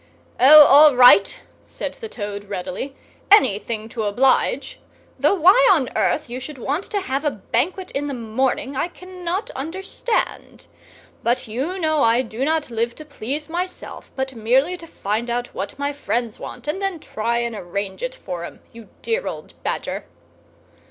"O, all right!" said the Toad, readily. "Anything to oblige. Though why on earth you should want to have a Banquet in the morning I cannot understand. But you know I do not live to please myself, but merely to find out what my friends want, and then try and arrange it for 'em, you dear old Badger!"